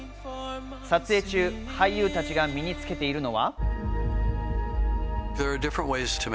撮影中、俳優たちが身につけているのは。